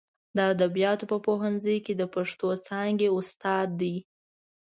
د ادبیاتو په پوهنځي کې د پښتو څانګې استاد دی.